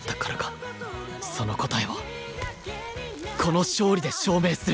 その答えはこの勝利で証明する！